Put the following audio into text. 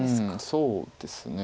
そうですね。